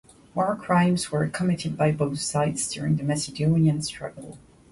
War crimes were committed by both sides during the Macedonian struggle.